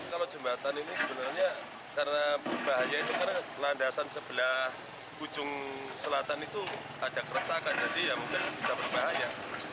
kalau jembatan ini sebenarnya karena berbahaya itu karena landasan sebelah ujung selatan itu ada keretakan jadi ya mungkin bisa berbahaya